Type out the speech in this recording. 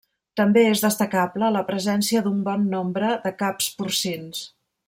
També és destacable la presència d'un bon nombre de caps porcins.